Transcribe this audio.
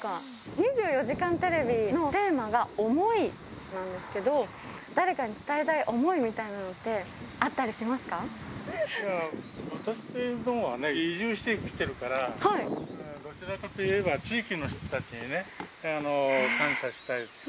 ２４時間テレビのテーマが、想いなんですけど、誰かに伝えたい想いみたいなのってあったりしいや、私どもはね、移住してきてるから、どちらかといえば地域の人たちにね、感謝したい。